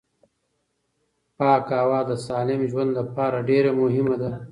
پاکه هوا د سالم ژوند لپاره ډېره مهمه ده